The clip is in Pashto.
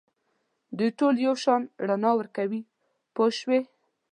دوی ټول یو شان رڼا ورکوي پوه شوې!.